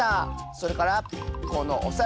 それからこのおさら！